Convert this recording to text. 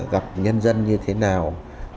gặp nhân dân như thế nào